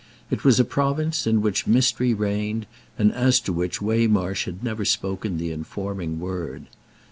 It was a province in which mystery reigned and as to which Waymarsh had never spoken the informing word.